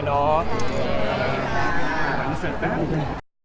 โปรดติดตามตอนต่อไป